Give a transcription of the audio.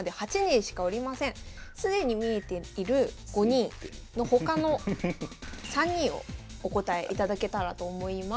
既に見えている５人の他の３人をお答えいただけたらと思います。